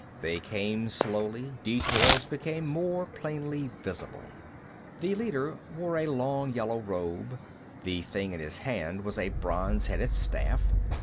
They came slowly; details became more plainly visible. The leader wore a long yellow robe; the thing in his hand was a bronze headed staff.